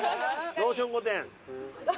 ローション御殿。